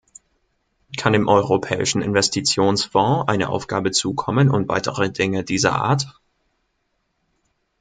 Kann dem Europäischen Investitionsfonds eine Aufgabe zukommen und weitere Dinge dieser Art?